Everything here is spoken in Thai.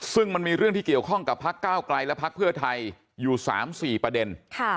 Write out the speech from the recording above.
ซึ่งมันมีเรื่องที่เกี่ยวข้องกับพกกและพพทอยู่๓๔ประเด็น